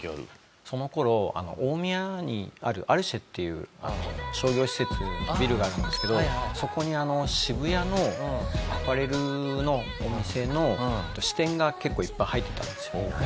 その頃大宮にあるアルシェっていう商業施設ビルがあるんですけどそこに渋谷のアパレルのお店の支店が結構いっぱい入ってたんですよ。